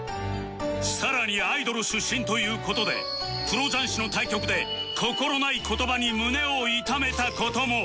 さらにアイドル出身という事でプロ雀士の対局で心ない言葉に胸を痛めた事も